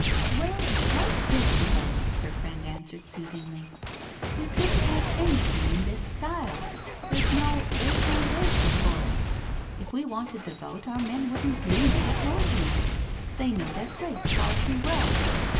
*' Well, it's like this with us/' her friend answered soothingly. " We couldn't have anything in this style, there's no rdson dCttre for it. If we wanted the vote our men wouldn't dream of opposing us — they know their place far too well.